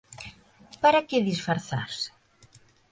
Para que disfrazarse?